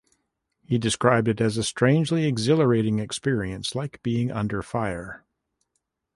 He described it as "a strangely exhilarating experience, like being under fire".